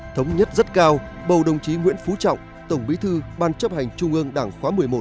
thống nhất rất cao bầu đồng chí nguyễn phú trọng tổng bí thư ban chấp hành trung ương đảng khóa một mươi một